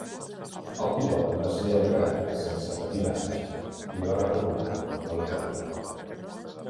El pilot va ser alliberat sense patir danys i va retornar l'helicòpter.